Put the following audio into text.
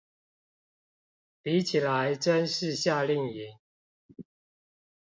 比起來真是夏令營